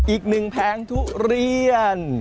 อีกหนึ่งแผงทุเรียน